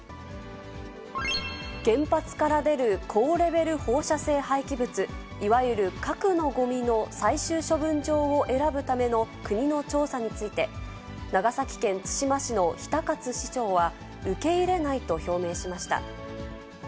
原発から出る高レベル放射性廃棄物、いわゆる核のごみの最終処分場を選ぶための国の調査について、長崎県対馬市の比田勝市長は受け入れないと表明しました。